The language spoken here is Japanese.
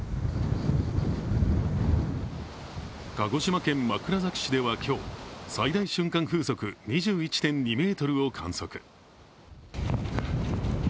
鹿児島県枕崎市では今日最大瞬間風速２１．２メートルを観測。